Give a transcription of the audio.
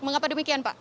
mengapa demikian pak